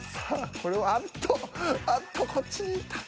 これはあっとあっとこっちにいった。